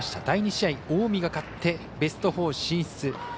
第２試合、近江が勝ってベスト４進出。